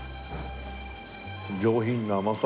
上品な甘さ。